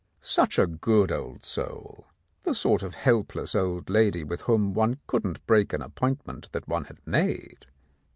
Such a good old soul. The sort of helpless old lady with whom one couldn't break an appointment that one had made."